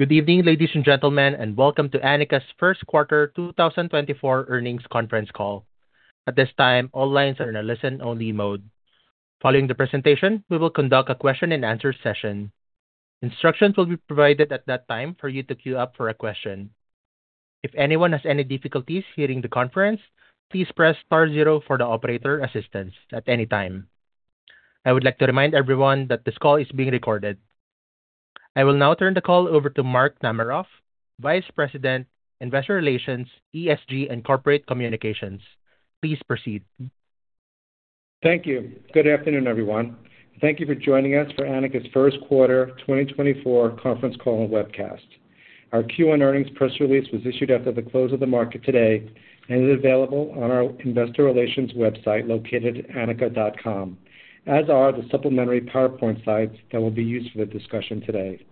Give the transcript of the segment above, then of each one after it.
Good evening, ladies and gentlemen, and welcome to Anika's first quarter 2024 Earnings Conference Call. At this time, all lines are in a listen-only mode. Following the presentation, we will conduct a question-and-answer session. Instructions will be provided at that time for you to queue up for a question. If anyone has any difficulties hearing the conference, please press star zero for the operator assistance at any time. I would like to remind everyone that this call is being recorded. I will now turn the call over to Mark Namaroff, Vice President, Investor Relations, ESG, and Corporate Communications. Please proceed. Thank you. Good afternoon, everyone. Thank you for joining us for Anika's first quarter 2024 conference call and webcast. Our Q1 earnings press release was issued after the close of the market today, and it is available on our Investor Relations website located at anika.com, as are the supplementary PowerPoint slides that will be used for the discussion today.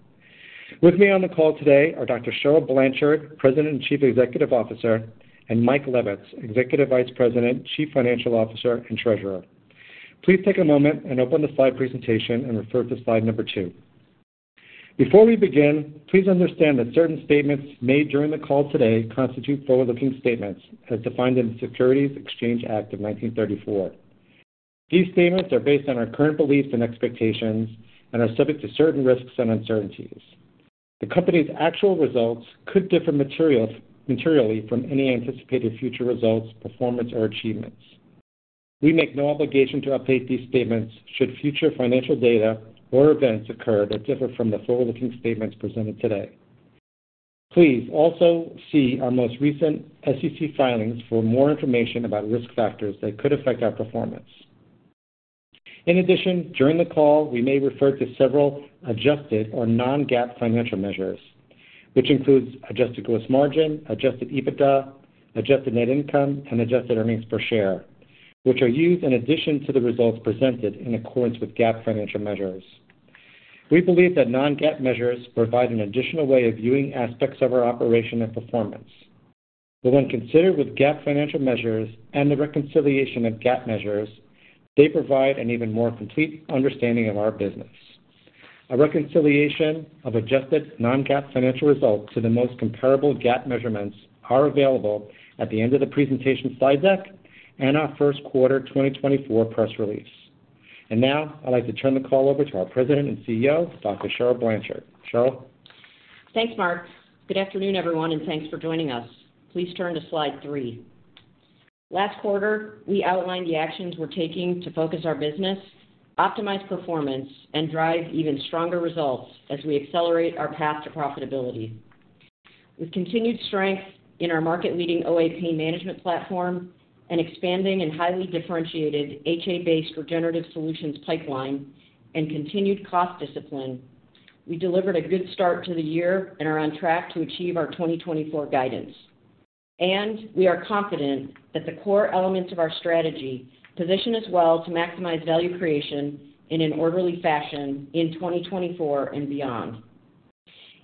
With me on the call today are Dr. Cheryl Blanchard, President and Chief Executive Officer, and Mike Levitz, Executive Vice President, Chief Financial Officer, and Treasurer. Please take a moment and open the slide presentation and refer to slide number two. Before we begin, please understand that certain statements made during the call today constitute forward-looking statements, as defined in the Securities Exchange Act of 1934. These statements are based on our current beliefs and expectations, and are subject to certain risks and uncertainties. The company's actual results could differ materially from any anticipated future results, performance, or achievements. We make no obligation to update these statements should future financial data or events occur that differ from the forward-looking statements presented today. Please also see our most recent SEC filings for more information about risk factors that could affect our performance. In addition, during the call, we may refer to several adjusted or non-GAAP financial measures, which includes adjusted gross margin, adjusted EBITDA, adjusted net income, and adjusted earnings per share, which are used in addition to the results presented in accordance with GAAP financial measures. We believe that non-GAAP measures provide an additional way of viewing aspects of our operation and performance. But when considered with GAAP financial measures and the reconciliation of GAAP measures, they provide an even more complete understanding of our business. A reconciliation of adjusted non-GAAP financial results to the most comparable GAAP measurements is available at the end of the presentation slide deck and our 1st Quarter 2024 press release. Now I'd like to turn the call over to our President and CEO, Dr. Cheryl Blanchard. Cheryl? Thanks, Mark. Good afternoon, everyone, and thanks for joining us. Please turn to slide 3. Last quarter, we outlined the actions we're taking to focus our business, optimize performance, and drive even stronger results as we accelerate our path to profitability. With continued strength in our market-leading OA pain management platform and expanding and highly differentiated HA-based regenerative solutions pipeline and continued cost discipline, we delivered a good start to the year and are on track to achieve our 2024 guidance. We are confident that the core elements of our strategy position us well to maximize value creation in an orderly fashion in 2024 and beyond.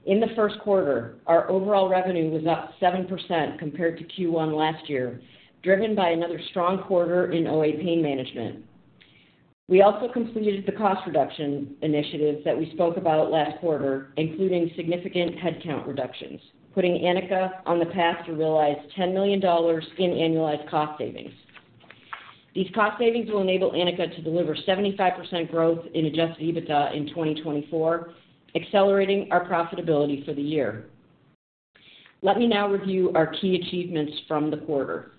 In the 1st quarter, our overall revenue was up 7% compared to Q1 last year, driven by another strong quarter in OA pain management. We also completed the cost reduction initiatives that we spoke about last quarter, including significant headcount reductions, putting Anika on the path to realize $10 million in annualized cost savings. These cost savings will enable Anika to deliver 75% growth in Adjusted EBITDA in 2024, accelerating our profitability for the year. Let me now review our key achievements from the quarter.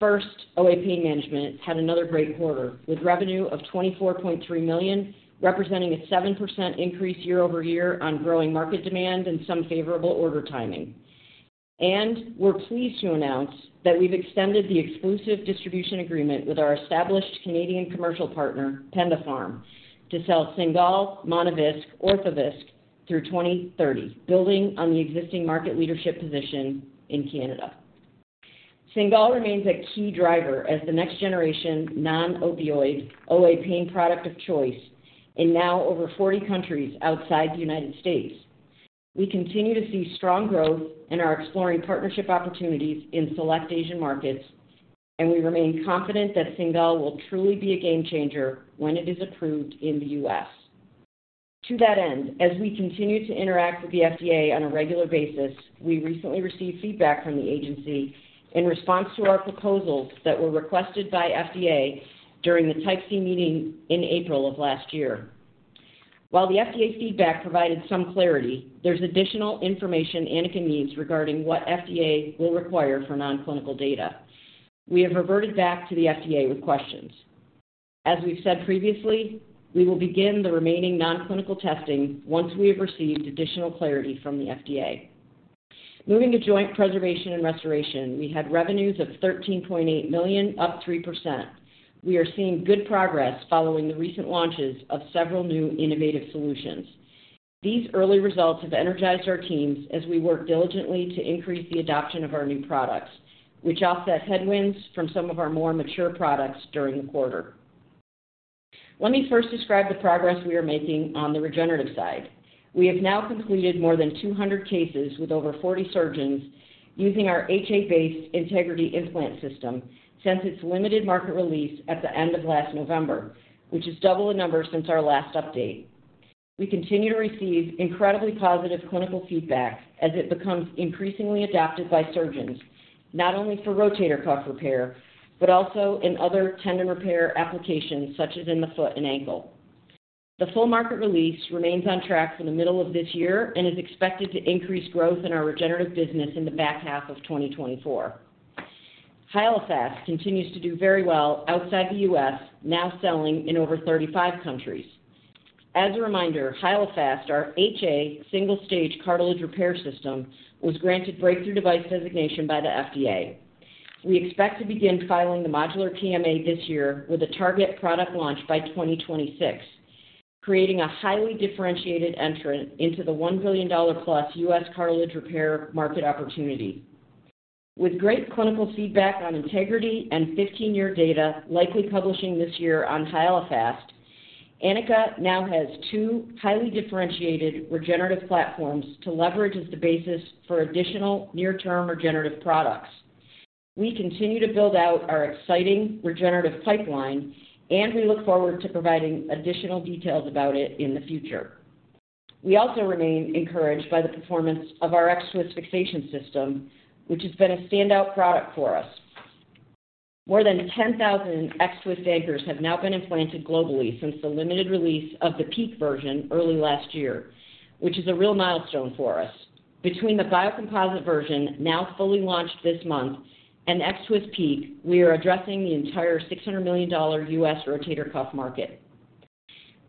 First, OA pain management had another great quarter, with revenue of $24.3 million, representing a 7% increase year-over-year on growing market demand and some favorable order timing. And we're pleased to announce that we've extended the exclusive distribution agreement with our established Canadian commercial partner, Pendopharm, to sell Cingal, Monovisc, and Orthovisc through 2030, building on the existing market leadership position in Canada. Cingal remains a key driver as the next-generation non-opioid OA pain product of choice in now over 40 countries outside the United States. We continue to see strong growth and are exploring partnership opportunities in select Asian markets, and we remain confident that Cingal will truly be a game-changer when it is approved in the U.S. To that end, as we continue to interact with the FDA on a regular basis, we recently received feedback from the agency in response to our proposals that were requested by the FDA during the Type C Meeting in April of last year. While the FDA feedback provided some clarity, there's additional information Anika needs regarding what the FDA will require for non-clinical data. We have reverted back to the FDA with questions. As we've said previously, we will begin the remaining non-clinical testing once we have received additional clarity from the FDA. Moving to joint preservation and restoration, we had revenues of $13.8 million, up 3%. We are seeing good progress following the recent launches of several new innovative solutions. These early results have energized our teams as we work diligently to increase the adoption of our new products, which offset headwinds from some of our more mature products during the quarter. Let me first describe the progress we are making on the regenerative side. We have now completed more than 200 cases with over 40 surgeons using our HA-based Integrity Implant System since its limited market release at the end of last November, which is double the number since our last update. We continue to receive incredibly positive clinical feedback as it becomes increasingly adopted by surgeons, not only for rotator cuff repair but also in other tendon repair applications such as in the foot and ankle. The full market release remains on track for the middle of this year and is expected to increase growth in our regenerative business in the back half of 2024. Hyalofast continues to do very well outside the U.S., now selling in over 35 countries. As a reminder, Hyalofast, our HA single-stage cartilage repair system, was granted breakthrough device designation by the FDA. We expect to begin filing the modular PMA this year with a target product launch by 2026, creating a highly differentiated entrant into the $1 billion+ U.S. cartilage repair market opportunity. With great clinical feedback on Integrity and 15-year data likely publishing this year on Hyalofast, Anika now has two highly differentiated regenerative platforms to leverage as the basis for additional near-term regenerative products. We continue to build out our exciting regenerative pipeline, and we look forward to providing additional details about it in the future. We also remain encouraged by the performance of our X-Twist fixation system, which has been a standout product for us. More than 10,000 X-Twist anchors have now been implanted globally since the limited release of the PEEK version early last year, which is a real milestone for us. Between the biocomposite version, now fully launched this month, and X-Twist PEEK, we are addressing the entire $600 million U.S. rotator cuff market.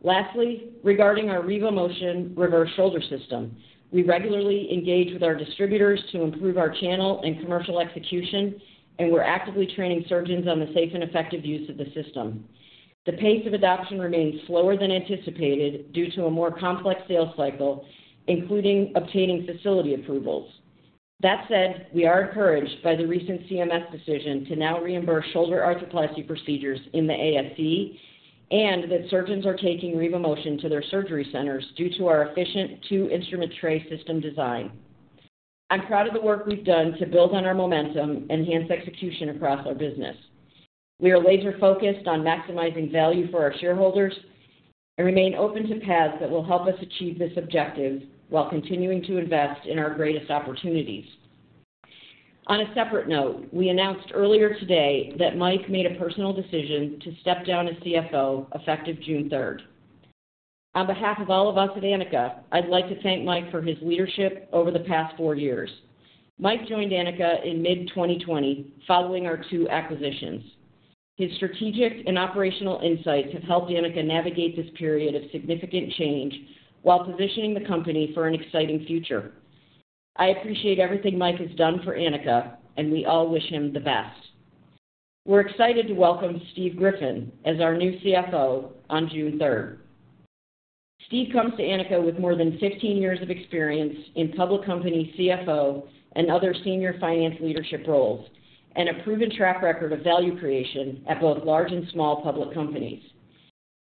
Lastly, regarding our RevoMotion reverse shoulder system, we regularly engage with our distributors to improve our channel and commercial execution, and we're actively training surgeons on the safe and effective use of the system. The pace of adoption remains slower than anticipated due to a more complex sales cycle, including obtaining facility approvals. That said, we are encouraged by the recent CMS decision to now reimburse shoulder arthroplasty procedures in the ASC and that surgeons are taking RevoMotion to their surgery centers due to our efficient two-instrument tray system design. I'm proud of the work we've done to build on our momentum and enhance execution across our business. We are laser-focused on maximizing value for our shareholders and remain open to paths that will help us achieve this objective while continuing to invest in our greatest opportunities. On a separate note, we announced earlier today that Mike made a personal decision to step down as CFO effective June 3rd. On behalf of all of us at Anika, I'd like to thank Mike for his leadership over the past four years. Mike joined Anika in mid-2020 following our two acquisitions. His strategic and operational insights have helped Anika navigate this period of significant change while positioning the company for an exciting future. I appreciate everything Mike has done for Anika, and we all wish him the best. We're excited to welcome Steve Griffin as our new CFO on June 3rd. Steve comes to Anika with more than 15 years of experience in public company CFO and other senior finance leadership roles, and a proven track record of value creation at both large and small public companies.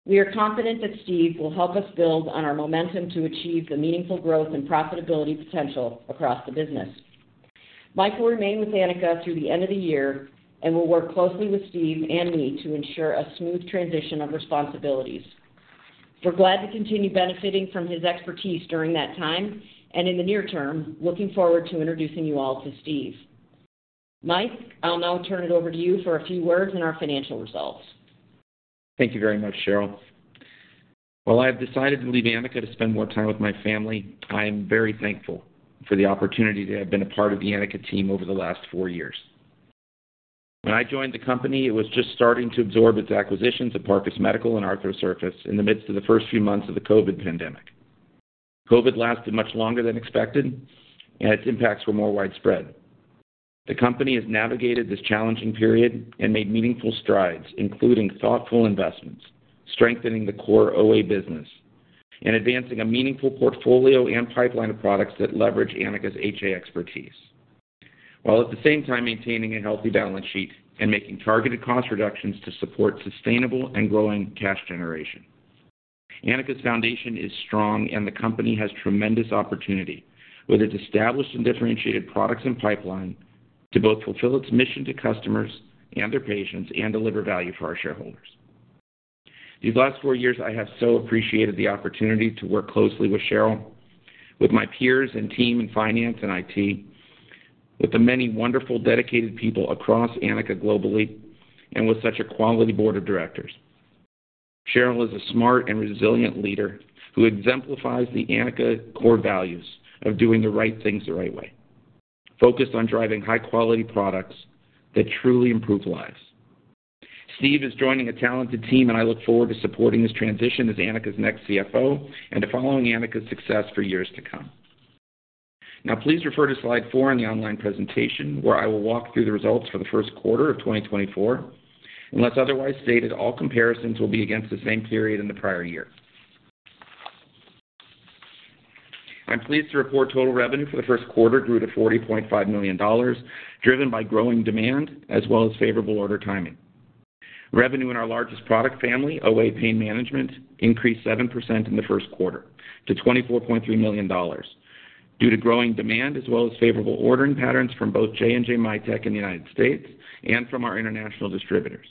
We are confident that Steve will help us build on our momentum to achieve the meaningful growth and profitability potential across the business. Mike will remain with Anika through the end of the year and will work closely with Steve and me to ensure a smooth transition of responsibilities. We're glad to continue benefiting from his expertise during that time and, in the near term, looking forward to introducing you all to Steve. Mike, I'll now turn it over to you for a few words on our financial results. Thank you very much, Cheryl. While I have decided to leave Anika to spend more time with my family, I am very thankful for the opportunity to have been a part of the Anika team over the last four years. When I joined the company, it was just starting to absorb its acquisitions of Parcus Medical and Arthrosurface in the midst of the first few months of the COVID pandemic. COVID lasted much longer than expected, and its impacts were more widespread. The company has navigated this challenging period and made meaningful strides, including thoughtful investments, strengthening the core OA business, and advancing a meaningful portfolio and pipeline of products that leverage Anika's HA expertise, while at the same time maintaining a healthy balance sheet and making targeted cost reductions to support sustainable and growing cash generation. Anika's foundation is strong, and the company has tremendous opportunity, with its established and differentiated products and pipeline, to both fulfill its mission to customers and their patients and deliver value for our shareholders. These last four years, I have so appreciated the opportunity to work closely with Cheryl, with my peers and team in finance and IT, with the many wonderful dedicated people across Anika globally, and with such a quality board of directors. Cheryl is a smart and resilient leader who exemplifies the Anika core values of doing the right things the right way, focused on driving high-quality products that truly improve lives. Steve is joining a talented team, and I look forward to supporting his transition as Anika's next CFO and to following Anika's success for years to come. Now, please refer to slide 4 in the online presentation, where I will walk through the results for the first quarter of 2024. Unless otherwise stated, all comparisons will be against the same period in the prior year. I'm pleased to report total revenue for the first quarter grew to $40.5 million, driven by growing demand as well as favorable order timing. Revenue in our largest product family, OA pain management, increased 7% in the first quarter to $24.3 million due to growing demand as well as favorable ordering patterns from both J&J Mitek in the United States and from our international distributors.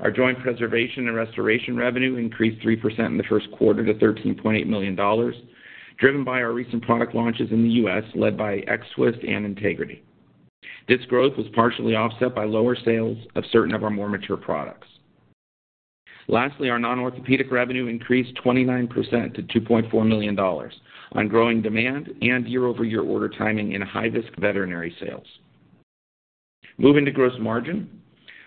Our joint preservation and restoration revenue increased 3% in the first quarter to $13.8 million, driven by our recent product launches in the US led by X-Twist and Integrity. This growth was partially offset by lower sales of certain of our more mature products. Lastly, our non-orthopedic revenue increased 29% to $2.4 million on growing demand and year-over-year order timing in high-risk veterinary sales. Moving to gross margin,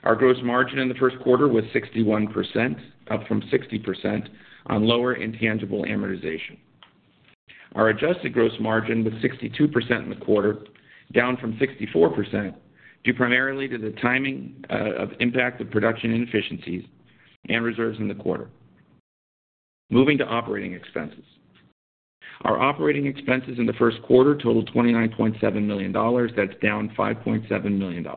our gross margin in the 1st quarter was 61%, up from 60% on lower intangible amortization. Our adjusted gross margin was 62% in the quarter, down from 64%, due primarily to the timing of impact of production inefficiencies and reserves in the quarter. Moving to operating expenses. Our operating expenses in the 1st quarter totaled $29.7 million. That's down $5.7 million.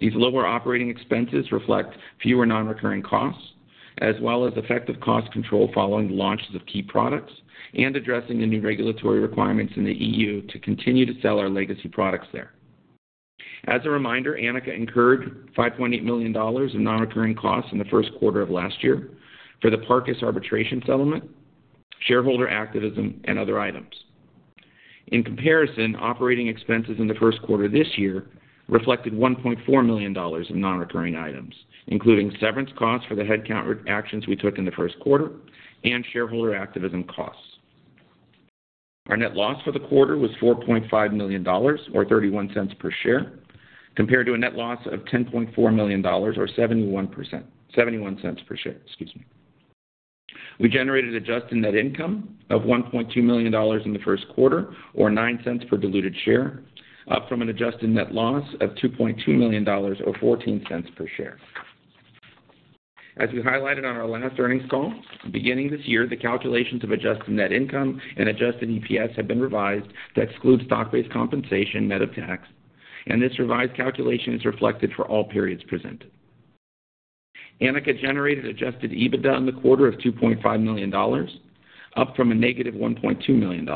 These lower operating expenses reflect fewer non-recurring costs as well as effective cost control following the launches of key products and addressing the new regulatory requirements in the EU to continue to sell our legacy products there. As a reminder, Anika incurred $5.8 million of non-recurring costs in the 1st quarter of last year for the Parcus arbitration settlement, shareholder activism, and other items. In comparison, operating expenses in the first quarter this year reflected $1.4 million of non-recurring items, including severance costs for the headcount actions we took in the first quarter and shareholder activism costs. Our net loss for the quarter was $4.5 million or $0.31 per share, compared to a net loss of $10.4 million or $0.71 per share. Excuse me. We generated adjusted net income of $1.2 million in the first quarter or $0.09 per diluted share, up from an adjusted net loss of $2.2 million or $0.14 per share. As we highlighted on our last earnings call, beginning this year, the calculations of adjusted net income and adjusted EPS have been revised to exclude stock-based compensation net of tax, and this revised calculation is reflected for all periods presented. Anika generated adjusted EBITDA in the quarter of $2.5 million, up from a negative $1.2 million,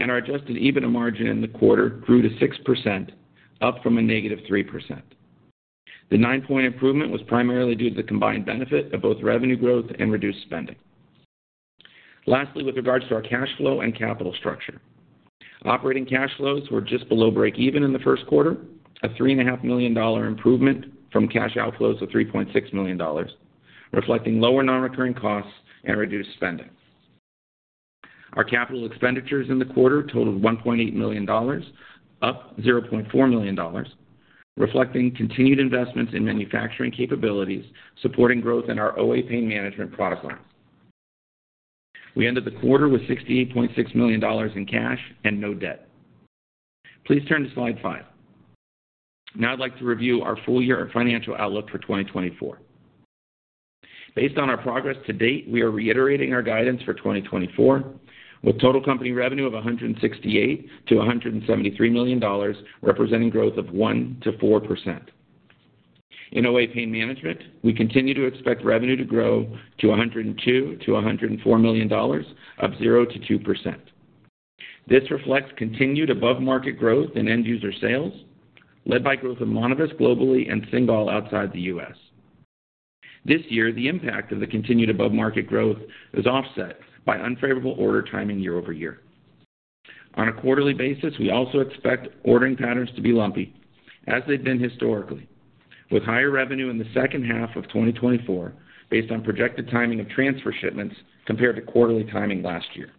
and our adjusted EBITDA margin in the quarter grew to 6%, up from a negative 3%. The 9-point improvement was primarily due to the combined benefit of both revenue growth and reduced spending. Lastly, with regards to our cash flow and capital structure, operating cash flows were just below break-even in the first quarter, a $3.5 million improvement from cash outflows of $3.6 million, reflecting lower non-recurring costs and reduced spending. Our capital expenditures in the quarter totaled $1.8 million, up $0.4 million, reflecting continued investments in manufacturing capabilities supporting growth in our OA pain management product lines. We ended the quarter with $68.6 million in cash and no debt. Please turn to slide 5. Now, I'd like to review our full-year financial outlook for 2024. Based on our progress to date, we are reiterating our guidance for 2024, with total company revenue of $168 million to $173 million, representing growth of 1% to 4%. In OA pain management, we continue to expect revenue to grow to $102 million to $104 million, up zero to 2%. This reflects continued above-market growth in end-user sales, led by growth of Monovisc globally and Cingal outside the U.S. This year, the impact of the continued above-market growth is offset by unfavorable order timing year-over-year. On a quarterly basis, we also expect ordering patterns to be lumpy as they've been historically, with higher revenue in the second half of 2024 based on projected timing of transfer shipments compared to quarterly timing last year.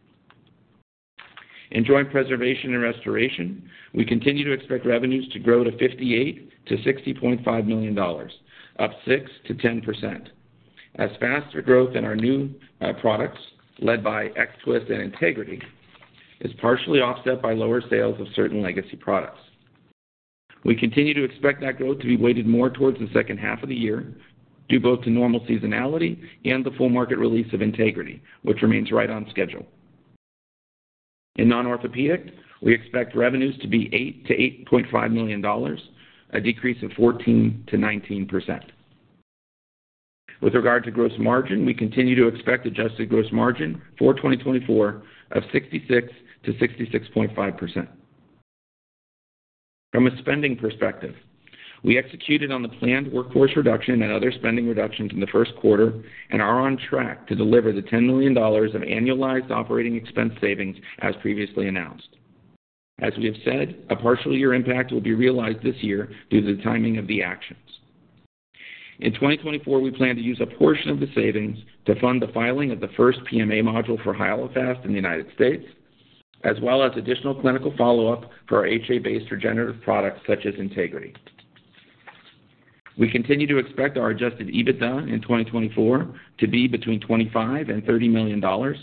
In joint preservation and restoration, we continue to expect revenues to grow to $58 million to $60.5 million, up 6% to 10%. As faster growth in our new products, led by X-Twist and Integrity, is partially offset by lower sales of certain legacy products. We continue to expect that growth to be weighted more towards the second half of the year due both to normal seasonality and the full-market release of Integrity, which remains right on schedule. In non-orthopedic, we expect revenues to be $8 million-$8.5 million, a decrease of 14% to 19%. With regard to gross margin, we continue to expect adjusted gross margin for 2024 of 66%-66.5%. From a spending perspective, we executed on the planned workforce reduction and other spending reductions in the first quarter and are on track to deliver the $10 million of annualized operating expense savings as previously announced. As we have said, a partial year impact will be realized this year due to the timing of the actions. In 2024, we plan to use a portion of the savings to fund the filing of the first PMA module for Hyalofast in the United States, as well as additional clinical follow-up for our HA-based regenerative products such as Integrity. We continue to expect our Adjusted EBITDA in 2024 to be between $25 million-$30 million,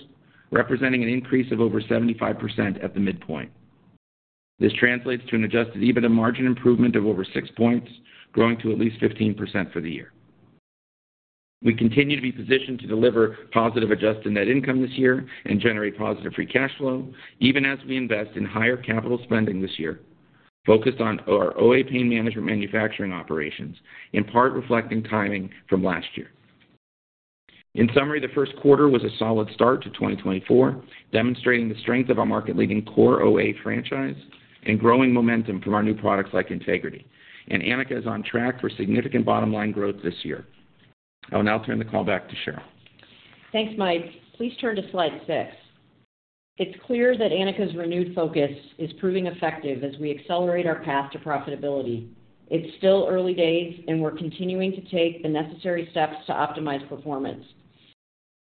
representing an increase of over 75% at the midpoint. This translates to an Adjusted EBITDA margin improvement of over 6 points, growing to at least 15% for the year. We continue to be positioned to deliver positive adjusted net income this year and generate positive free cash flow, even as we invest in higher capital spending this year focused on our OA pain management manufacturing operations, in part reflecting timing from last year. In summary, the first quarter was a solid start to 2024, demonstrating the strength of our market-leading core OA franchise and growing momentum from our new products like Integrity, and Anika is on track for significant bottom-line growth this year. I will now turn the call back to Cheryl. Thanks, Mike. Please turn to slide 6. It's clear that Anika's renewed focus is proving effective as we accelerate our path to profitability. It's still early days, and we're continuing to take the necessary steps to optimize performance.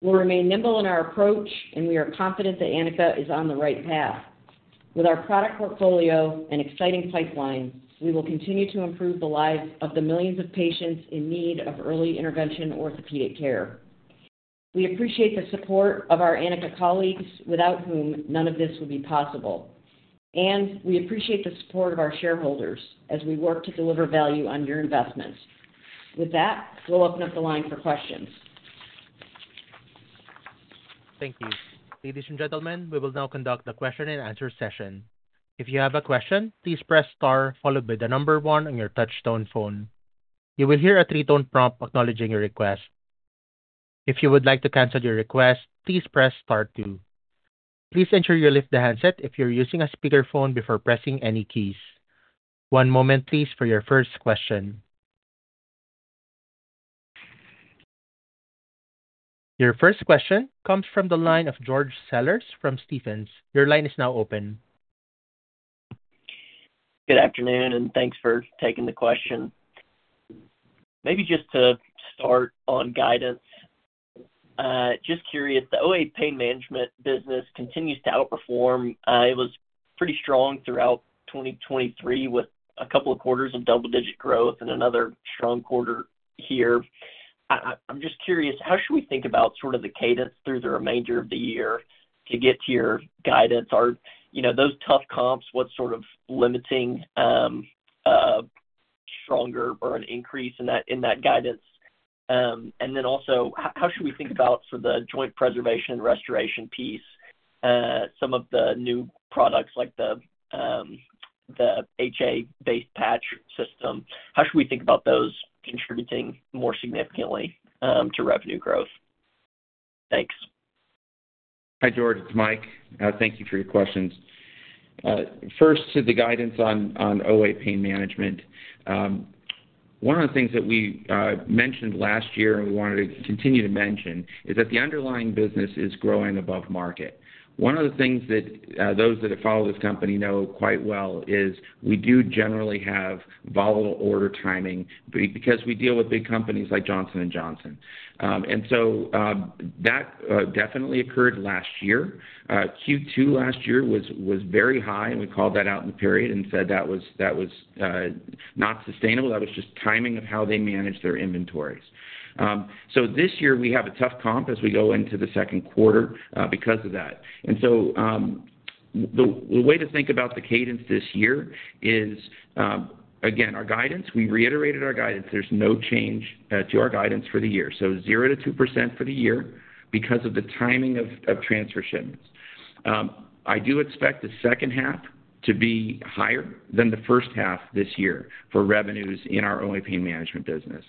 We'll remain nimble in our approach, and we are confident that Anika is on the right path. With our product portfolio and exciting pipeline, we will continue to improve the lives of the millions of patients in need of early intervention orthopedic care. We appreciate the support of our Anika colleagues, without whom none of this would be possible, and we appreciate the support of our shareholders as we work to deliver value on your investments. With that, we'll open up the line for questions. Thank you. Ladies and gentlemen, we will now conduct the question-and-answer session. If you have a question, please press star followed by the number one on your touch-tone phone. You will hear a three-tone prompt acknowledging your request. If you would like to cancel your request, please press star two. Please ensure you lift the handset if you're using a speakerphone before pressing any keys. One moment, please, for your first question. Your first question comes from the line of George Sellers from Stephens. Your line is now open. Good afternoon, and thanks for taking the question. Maybe just to start on guidance, just curious, the OA pain management business continues to outperform. It was pretty strong throughout 2023 with a couple of quarters of double-digit growth and another strong quarter here. I'm just curious, how should we think about sort of the cadence through the remainder of the year to get to your guidance? Those tough comps, what's sort of limiting stronger or an increase in that guidance? And then also, how should we think about, for the joint preservation and restoration piece, some of the new products like the HA-based patch system? How should we think about those contributing more significantly to revenue growth? Thanks. Hi, George. It's Mike. Thank you for your questions. First, to the guidance on OA pain management, one of the things that we mentioned last year and we wanted to continue to mention is that the underlying business is growing above market. One of the things that those that have followed this company know quite well is we do generally have volatile order timing because we deal with big companies like Johnson & Johnson. And so that definitely occurred last year. Q2 last year was very high, and we called that out in the period and said that was not sustainable. That was just timing of how they manage their inventories. So this year, we have a tough comp as we go into the second quarter because of that. And so the way to think about the cadence this year is, again, our guidance. We reiterated our guidance. There's no change to our guidance for the year, so zero to 2% for the year because of the timing of transfer shipments. I do expect the second half to be higher than the first half this year for revenues in our OA pain management business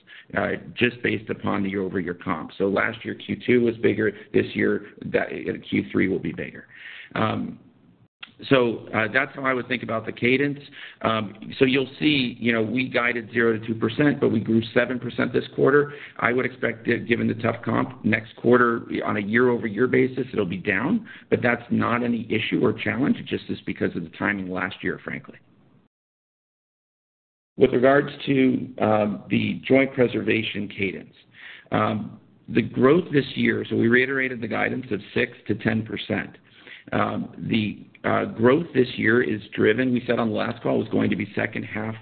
just based upon the year-over-year comp. So last year, Q2 was bigger. This year, Q3 will be bigger. So that's how I would think about the cadence. So you'll see we guided zero to 2%, but we grew 7% this quarter. I would expect, given the tough comp, next quarter, on a year-over-year basis, it'll be down, but that's not an issue or challenge, just because of the timing last year, frankly. With regards to the joint preservation cadence, the growth this year, so we reiterated the guidance of 6%-10%. The growth this year is driven. We said on the last call it was going to be second half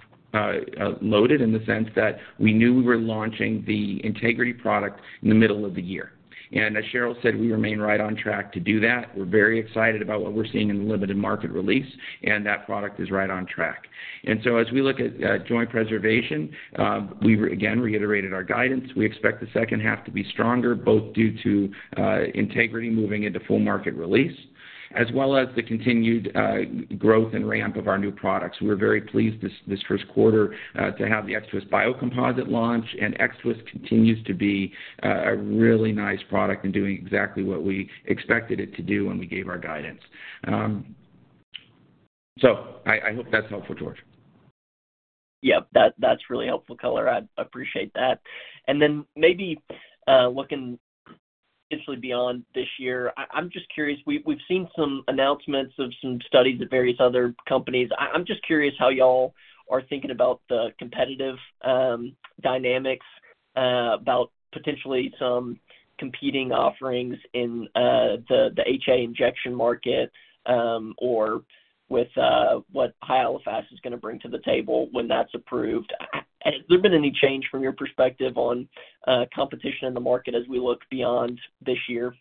loaded in the sense that we knew we were launching the Integrity product in the middle of the year. As Cheryl said, we remain right on track to do that. We're very excited about what we're seeing in the limited market release, and that product is right on track. So as we look at joint preservation, we, again, reiterated our guidance. We expect the second half to be stronger, both due to Integrity moving into full-market release as well as the continued growth and ramp of our new products. We were very pleased this first quarter to have the X-Twist Biocomposite launch, and X-Twist continues to be a really nice product and doing exactly what we expected it to do when we gave our guidance. I hope that's helpful, George. Yeah, that's really helpful, Sellers. I appreciate that. Then maybe looking potentially beyond this year, I'm just curious. We've seen some announcements of some studies at various other companies. I'm just curious how y'all are thinking about the competitive dynamics, about potentially some competing offerings in the HA injection market or with what Hyalofast is going to bring to the table when that's approved. Has there been any change from your perspective on competition in the market as we look beyond this year?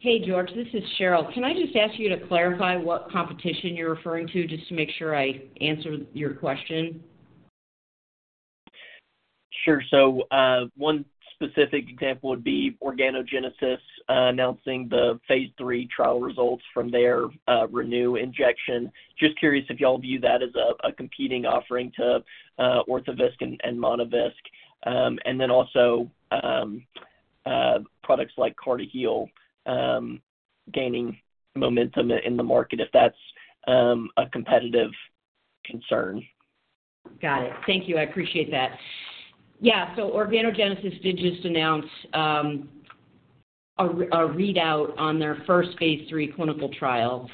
Hey, George. This is Cheryl. Can I just ask you to clarify what competition you're referring to just to make sure I answer your question? Sure. So one specific example would be Organogenesis announcing the phase III trial results from their ReNu injection. Just curious if y'all view that as a competing offering to Orthovisc and Monovisc, and then also products like CartiHeal gaining momentum in the market, if that's a competitive concern? Got it. Thank you. I appreciate that. Yeah, so Organogenesis did just announce a readout on their first phase III clinical trial.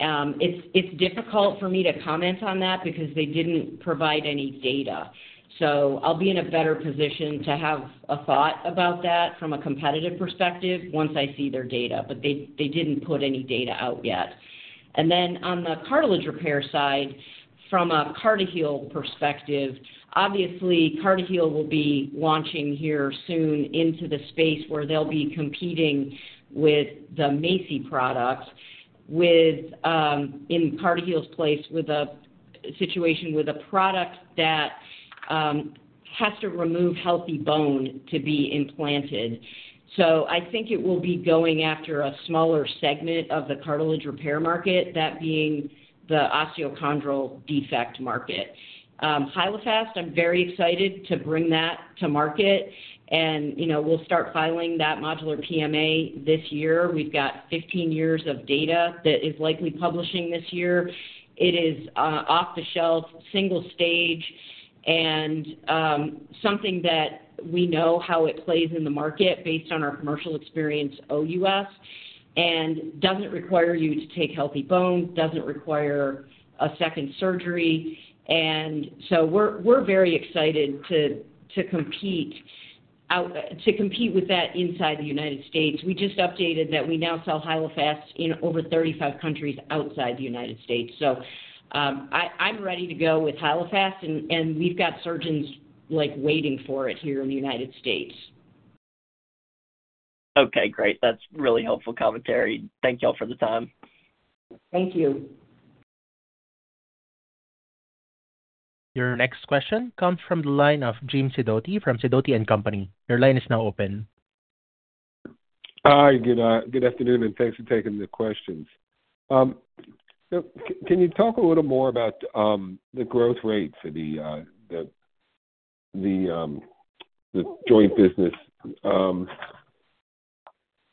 It's difficult for me to comment on that because they didn't provide any data. So I'll be in a better position to have a thought about that from a competitive perspective once I see their data, but they didn't put any data out yet. And then on the cartilage repair side, from a CartiHeal perspective, obviously, CartiHeal will be launching here soon into the space where they'll be competing with the MACI product in CartiHeal's place with a situation with a product that has to remove healthy bone to be implanted. So I think it will be going after a smaller segment of the cartilage repair market, that being the osteochondral defect market. Hyalofast, I'm very excited to bring that to market, and we'll start filing that modular PMA this year. We've got 15 years of data that is likely publishing this year. It is off-the-shelf, single-stage, and something that we know how it plays in the market based on our commercial experience, OUS, and doesn't require you to take healthy bone, doesn't require a second surgery. And so we're very excited to compete with that inside the United States. We just updated that we now sell Hyalofast in over 35 countries outside the United States. So I'm ready to go with Hyalofast, and we've got surgeons waiting for it here in the United States. Okay, great. That's really helpful commentary. Thank y'all for the time. Thank you. Your next question comes from the line of Jim Sidoti from Sidoti & Company. Your line is now open. Hi, good afternoon, and thanks for taking the questions. Can you talk a little more about the growth rate for the joint business?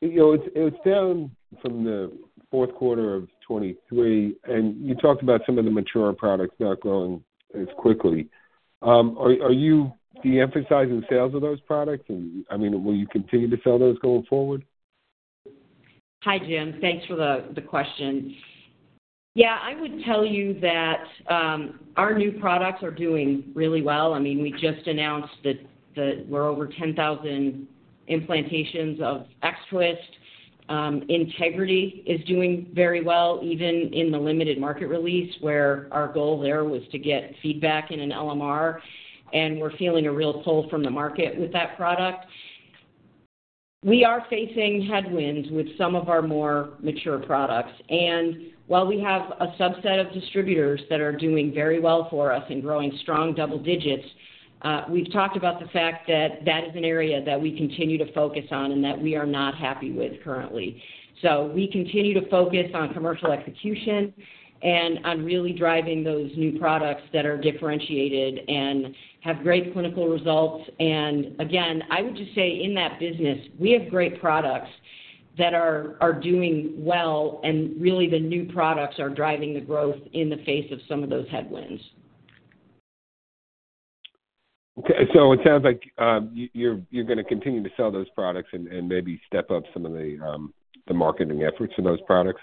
It's down from the fourth quarter of 2023, and you talked about some of the mature products not growing as quickly. Are you de-emphasizing sales of those products, and will you continue to sell those going forward? Hi, Jim. Thanks for the question. Yeah, I would tell you that our new products are doing really well. I mean, we just announced that we're over 10,000 implantations of X-Twist. Integrity is doing very well, even in the limited market release where our goal there was to get feedback in an LMR, and we're feeling a real pull from the market with that product. We are facing headwinds with some of our more mature products. And while we have a subset of distributors that are doing very well for us and growing strong double digits, we've talked about the fact that that is an area that we continue to focus on and that we are not happy with currently. So we continue to focus on commercial execution and on really driving those new products that are differentiated and have great clinical results. And again, I would just say in that business, we have great products that are doing well, and really the new products are driving the growth in the face of some of those headwinds. Okay, so it sounds like you're going to continue to sell those products and maybe step up some of the marketing efforts for those products?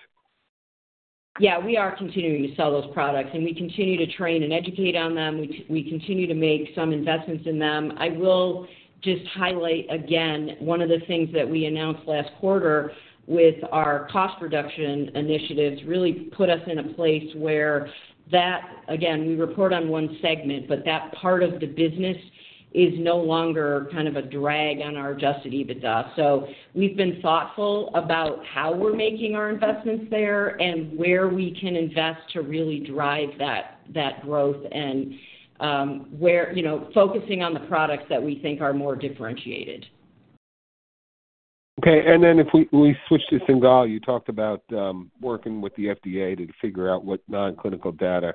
Yeah, we are continuing to sell those products, and we continue to train and educate on them. We continue to make some investments in them. I will just highlight, again, one of the things that we announced last quarter with our cost reduction initiatives really put us in a place where that again, we report on one segment, but that part of the business is no longer kind of a drag on our adjusted EBITDA. So we've been thoughtful about how we're making our investments there and where we can invest to really drive that growth and focusing on the products that we think are more differentiated. Okay, and then if we switch to Cingal, you talked about working with the FDA to figure out what non-clinical data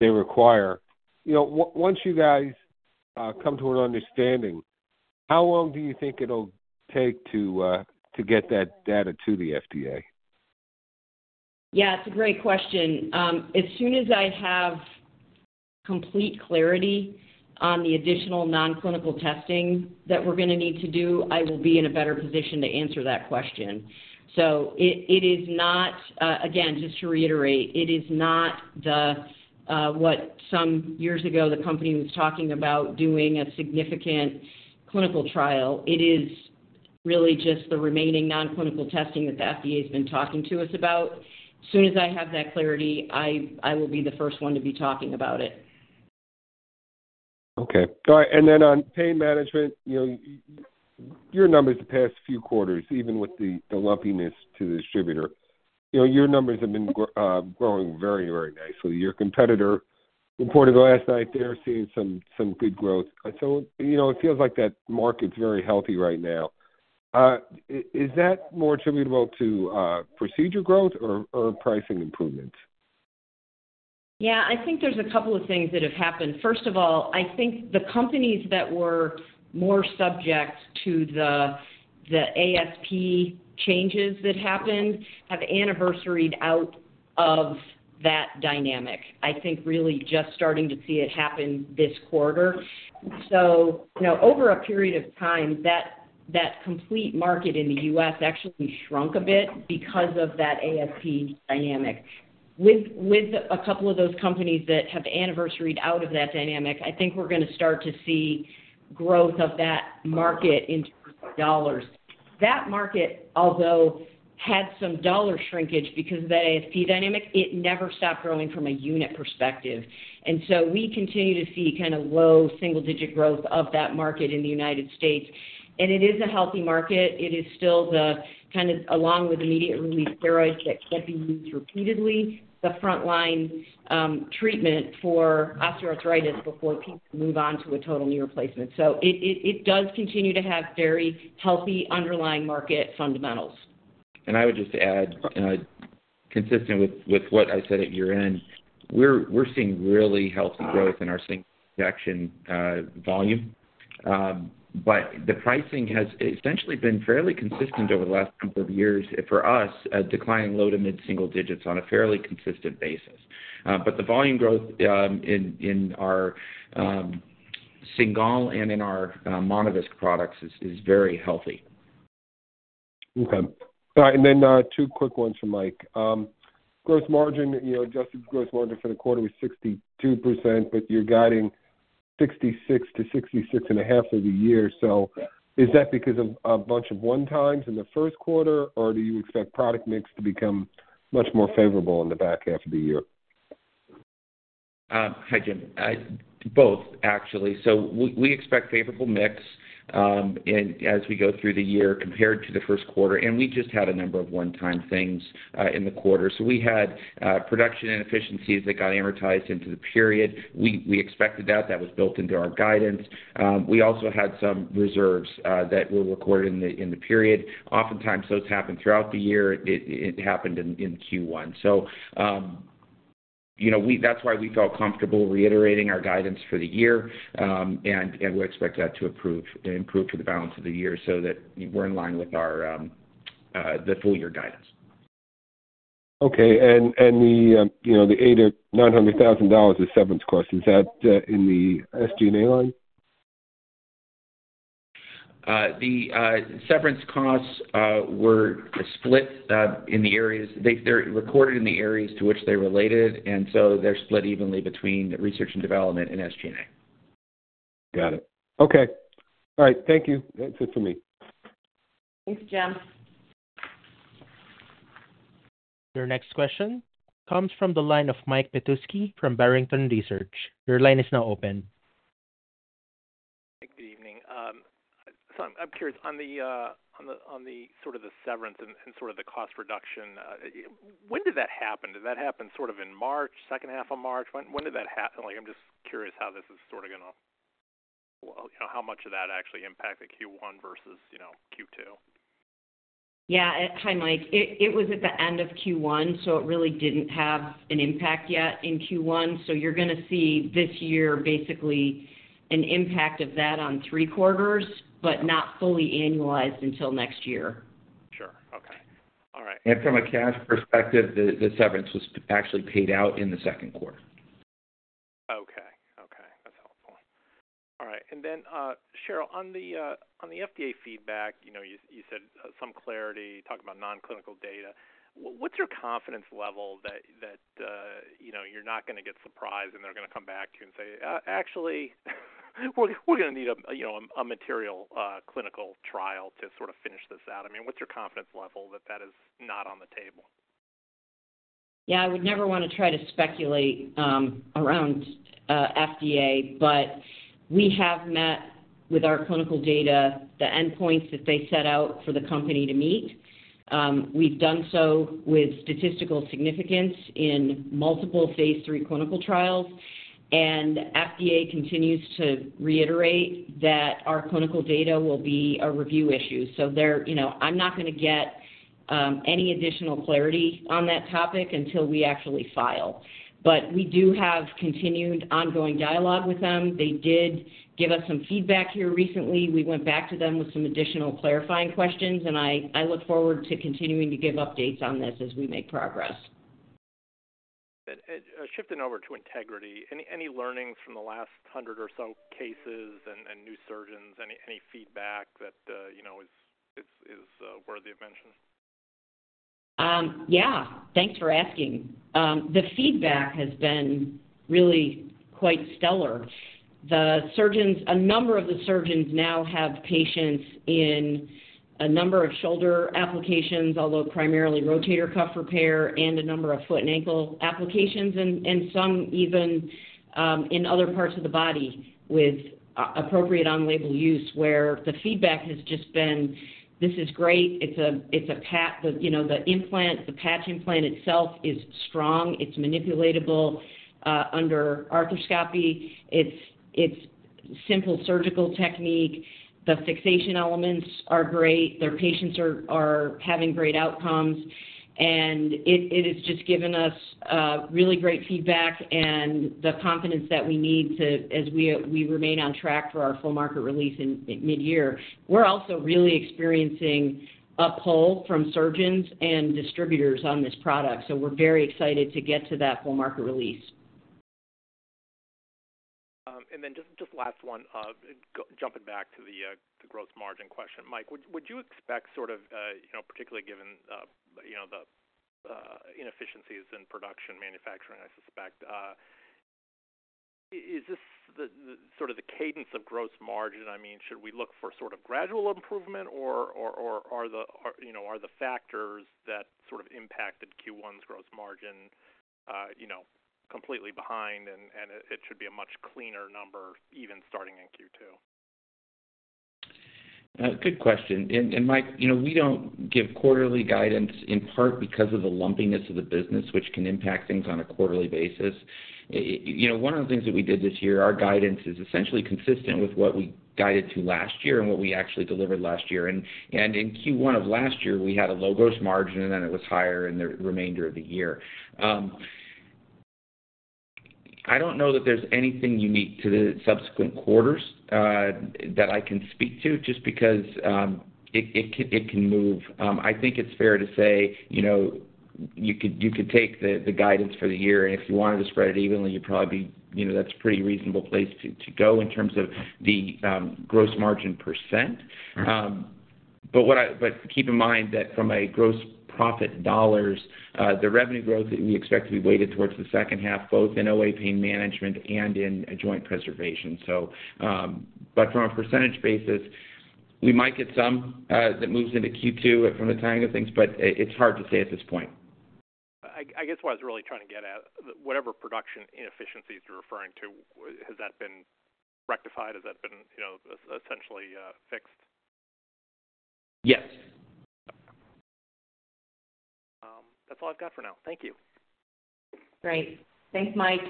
they require. Once you guys come to an understanding, how long do you think it'll take to get that data to the FDA? Yeah, it's a great question. As soon as I have complete clarity on the additional non-clinical testing that we're going to need to do, I will be in a better position to answer that question. So it is not again, just to reiterate, it is not what some years ago the company was talking about doing a significant clinical trial. It is really just the remaining non-clinical testing that the FDA has been talking to us about. As soon as I have that clarity, I will be the first one to be talking about it. Okay, all right. Then on pain management, your numbers the past few quarters, even with the lumpiness to the distributor, your numbers have been growing very, very nicely. Your competitor reported last night they're seeing some good growth. So it feels like that market's very healthy right now. Is that more attributable to procedure growth or pricing improvements? Yeah, I think there's a couple of things that have happened. First of all, I think the companies that were more subject to the ASP changes that happened have anniversaried out of that dynamic, I think really just starting to see it happen this quarter. So over a period of time, that complete market in the U.S. actually shrunk a bit because of that ASP dynamic. With a couple of those companies that have anniversaried out of that dynamic, I think we're going to start to see growth of that market in terms of dollars. That market, although had some dollar shrinkage because of that ASP dynamic, it never stopped growing from a unit perspective. And so we continue to see kind of low single-digit growth of that market in the United States. And it is a healthy market. It is still the kind of along with immediate-release steroids that can't be used repeatedly, the frontline treatment for osteoarthritis before people move on to a total knee replacement. So it does continue to have very healthy underlying market fundamentals. I would just add, consistent with what I said at year-end, we're seeing really healthy growth in our single-injection volume, but the pricing has essentially been fairly consistent over the last couple of years for us, a declining low- to mid-single digits on a fairly consistent basis. The volume growth in our Cingal and in our Monovisc products is very healthy. Okay, all right. And then two quick ones from Mike. Adjusted gross margin for the quarter was 62%, but you're guiding 66%-66.5% for the year. So is that because of a bunch of one-times in the first quarter, or do you expect product mix to become much more favorable in the back half of the year? Hi, Jim. Both, actually. So we expect favorable mix as we go through the year compared to the first quarter, and we just had a number of one-time things in the quarter. So we had production inefficiencies that got amortized into the period. We expected that. That was built into our guidance. We also had some reserves that were recorded in the period. Oftentimes, those happen throughout the year. It happened in Q1. So that's why we felt comfortable reiterating our guidance for the year, and we expect that to improve for the balance of the year so that we're in line with the full-year guidance. Okay, and the $800,000-$900,000 is severance cost. Is that in the SG&A line? The severance costs were split in the areas. They're recorded in the areas to which they related, and so they're split evenly between research and development and SG&A. Got it. Okay, all right. Thank you. That's it for me. Thanks, Jim. Your next question comes from the line of Mike Petusky from Barrington Research. Your line is now open. Hi, good evening. So I'm curious. On the sort of the severance and sort of the cost reduction, when did that happen? Did that happen sort of in March, second half of March? When did that happen? I'm just curious how this is sort of going to how much of that actually impacted Q1 versus Q2? Yeah, hi, Mike. It was at the end of Q1, so it really didn't have an impact yet in Q1. So you're going to see this year basically an impact of that on three quarters, but not fully annualized until next year. Sure. Okay. All right. From a cash perspective, the severance was actually paid out in the second quarter. Okay, okay. That's helpful. All right. And then, Cheryl, on the FDA feedback, you said some clarity, talking about non-clinical data. What's your confidence level that you're not going to get surprised and they're going to come back to you and say, "Actually, we're going to need a material clinical trial to sort of finish this out"? I mean, what's your confidence level that that is not on the table? Yeah, I would never want to try to speculate around FDA, but we have met with our clinical data the endpoints that they set out for the company to meet. We've done so with statistical significance in multiple phase III clinical trials, and FDA continues to reiterate that our clinical data will be a review issue. So I'm not going to get any additional clarity on that topic until we actually file. But we do have continued ongoing dialogue with them. They did give us some feedback here recently. We went back to them with some additional clarifying questions, and I look forward to continuing to give updates on this as we make progress. Shifting over to Integrity, any learnings from the last 100 or so cases and new surgeons? Any feedback that is worthy of mention? Yeah, thanks for asking. The feedback has been really quite stellar. A number of the surgeons now have patients in a number of shoulder applications, although primarily rotator cuff repair, and a number of foot and ankle applications, and some even in other parts of the body with appropriate unlabeled use where the feedback has just been, "This is great. It's a patch." The patch implant itself is strong. It's manipulatable under arthroscopy. It's simple surgical technique. The fixation elements are great. Their patients are having great outcomes, and it has just given us really great feedback and the confidence that we need as we remain on track for our full-market release in mid-year. We're also really experiencing a pull from surgeons and distributors on this product, so we're very excited to get to that full-market release. Then just last one, jumping back to the gross margin question. Mike, would you expect sort of particularly given the inefficiencies in production, manufacturing, I suspect, is this sort of the cadence of gross margin? I mean, should we look for sort of gradual improvement, or are the factors that sort of impacted Q1's gross margin completely behind, and it should be a much cleaner number even starting in Q2? Good question. And Mike, we don't give quarterly guidance in part because of the lumpiness of the business, which can impact things on a quarterly basis. One of the things that we did this year, our guidance is essentially consistent with what we guided to last year and what we actually delivered last year. In Q1 of last year, we had a low gross margin, and then it was higher in the remainder of the year. I don't know that there's anything unique to the subsequent quarters that I can speak to just because it can move. I think it's fair to say you could take the guidance for the year, and if you wanted to spread it evenly, you'd probably be that's a pretty reasonable place to go in terms of the gross margin percent. Keep in mind that from a gross profit dollars, the revenue growth that we expect to be weighted towards the second half, both in OA pain management and in joint preservation, so. From a percentage basis, we might get some that moves into Q2 from the timing of things, but it's hard to say at this point. I guess what I was really trying to get at, whatever production inefficiencies you're referring to, has that been rectified? Has that been essentially fixed? Yes. That's all I've got for now. Thank you. Great. Thanks, Mike.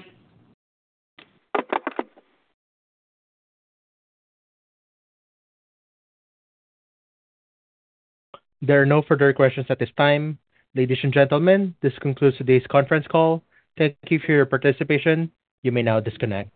There are no further questions at this time. Ladies and gentlemen, this concludes today's conference call. Thank you for your participation. You may now disconnect.